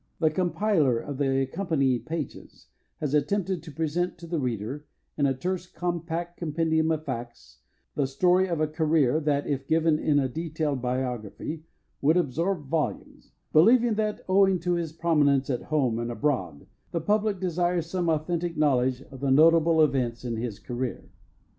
The compiler of the accompanying pages has attempted to present to the reader, in a terse, compact compendium of facts, the story of a career that, if given in a detailed biography, would absorb volumes, believing that owing to his prominence at home and abroad the public desire some authentic knowledge of the notable events in his career.